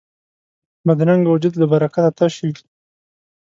بدرنګه وجود له برکته تش وي